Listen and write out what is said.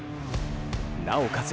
なおかつ